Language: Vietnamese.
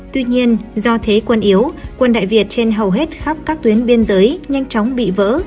tuy nhiên do thế quân yếu quân đại việt trên hầu hết khắp các tuyến biên giới nhanh chóng bị vỡ